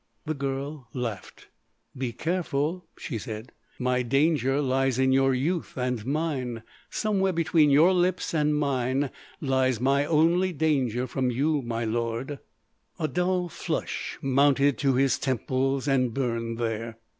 The girl laughed: "Be careful," she said. "My danger lies in your youth and mine—somewhere between your lips and mine lies my only danger from you, my lord." A dull flush mounted to his temples and burned there.